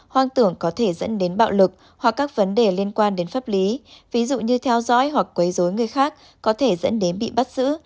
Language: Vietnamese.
hoang tưởng có thể dẫn đến bạo lực hoặc các vấn đề liên quan đến pháp lý ví dụ như theo dõi hoặc quấy dối người khác có thể dẫn đến bị bắt giữ